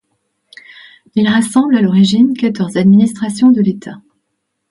Il rassemble à l'origine quatorze administrations de l'État.